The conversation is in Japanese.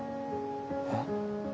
えっ？